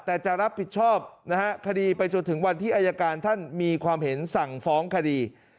แต่จะรับผิดชอบนะฮะคดีไปจนถึงวันที่อายการท่านมีความเห็นสั่งฟ้องคดี